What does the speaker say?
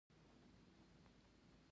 پلاستيک د چاپېریال د ککړتیا لوی لامل دی.